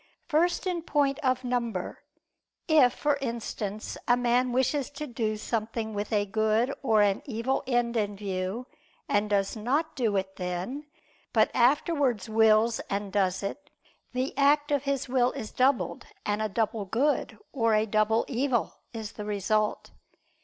First in point of number; if, for instance, a man wishes to do something with a good or an evil end in view, and does not do it then, but afterwards wills and does it, the act of his will is doubled and a double good, or a double evil is the result.